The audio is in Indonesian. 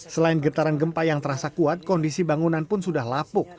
selain getaran gempa yang terasa kuat kondisi bangunan pun sudah lapuk